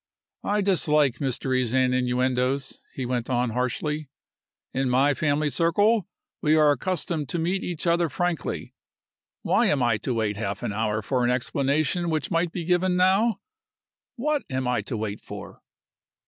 "I dislike mysteries and innuendoes," he went on, harshly. "In my family circle we are accustomed to meet each other frankly. Why am I to wait half an hour for an explanation which might be given now? What am I to wait for?"